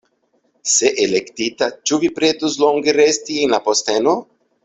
Se elektita, ĉu vi pretus longe resti en la posteno?